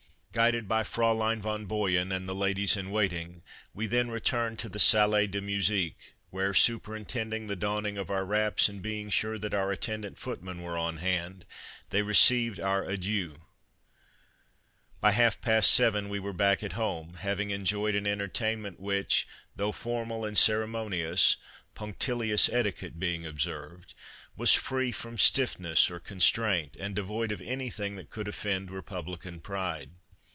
Guided by Fraulein von Boyen and the ladies in waiting we then returned to the Salle de Musique, where, superintending the donning of our wraps and being sure that our attendant foot men were on hand, they received our adieux. By half past seven we were back at home, having en joyed an entertainment which, though formal and ceremonious, punctilious etiquette being observed, was free from stiffness or constraint and devoid of anything that could offend republican pride.